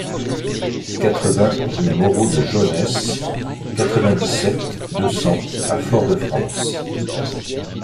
quatre-vingts rue Moreau de Jonnès, quatre-vingt-dix-sept, deux cents à Fort-de-France